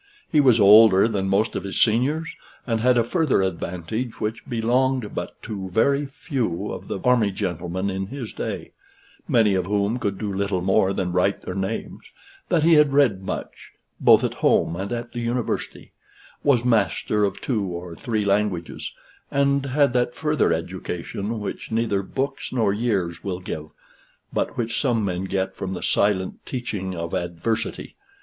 He was older than most of his seniors, and had a further advantage which belonged but to very few of the army gentlemen in his day many of whom could do little more than write their names that he had read much, both at home and at the University, was master of two or three languages, and had that further education which neither books nor years will give, but which some men get from the silent teaching of adversity.